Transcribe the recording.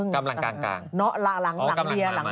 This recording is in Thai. กำลังกลาง